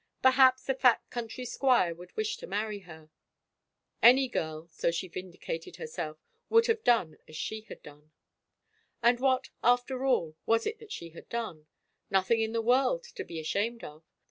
Perhaps a fat country squire would wish to marry her. 1 02 A VISION OF A CROWN Any girl, so she vindicated herself, would have done as she had done. And what, after all, was it that she had done ? Noth ing in the world to be ashamed of